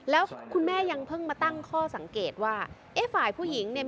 แล้วคุณแม่ยังเพิ่งมาตั้งข้อสังเกตว่าเอ๊ะฝ่ายผู้หญิงเนี่ย